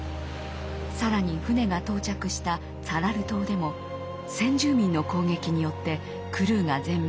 更に船が到着したツァラル島でも先住民の攻撃によってクルーが全滅。